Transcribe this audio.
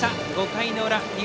５回の裏東